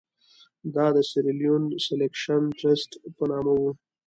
دا د سیریلیون سیلکشن ټرست په نامه وو.